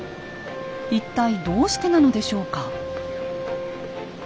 一体どうしてなのでしょうか？